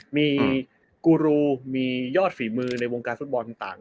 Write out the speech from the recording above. มีกูรูมียอดฝีมือในวงการฟุตบอลต่าง